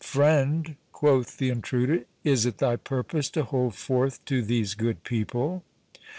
"Friend," quoth the intruder, "is it thy purpose to hold forth to these good people?"